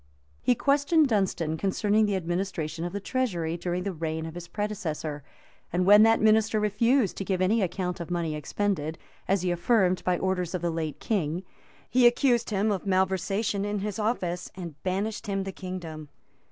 He questioned Dunstan concerning the administration of the treasury during the reign of his predecessor;[] and when that minister refused to give any account of money expended, as he affirmed, by orders of the late king, he accused him of malversation in his office, and banished him the kingdom.